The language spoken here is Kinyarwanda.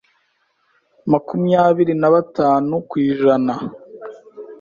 makumyabiri nabatanu kw’ijana